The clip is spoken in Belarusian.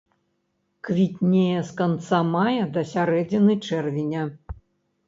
Квітнее з канца мая да сярэдзіны чэрвеня.